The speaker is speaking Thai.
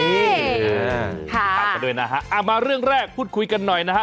เอามาเรื่องแรกพูดคุยกันหน่อยนะคะ